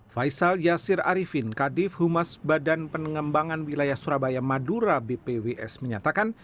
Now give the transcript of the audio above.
faisal yasir arifin kadif humas badan pengembangan wilayah surabaya madura bpws menyatakan